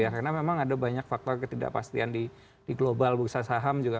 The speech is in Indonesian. karena memang ada banyak faktor ketidakpastian di global bursa saham juga